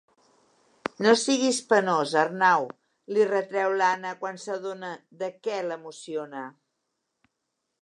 No siguis penós, Arnau —li retreu l'Anna quan s'adona de què l'emociona.